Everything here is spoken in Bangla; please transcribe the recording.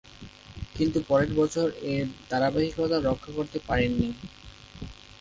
কিন্তু পরের বছর এ ধারাবাহিকতা রক্ষা করতে পারেননি।